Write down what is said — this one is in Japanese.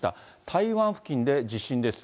台湾付近で地震です。